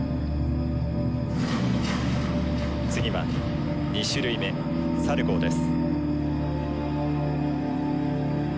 次は２種類目サルコーです。